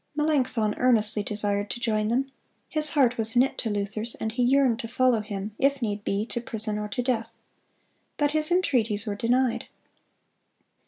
Melanchthon earnestly desired to join them. His heart was knit to Luther's, and he yearned to follow him, if need be, to prison or to death. But his entreaties were denied.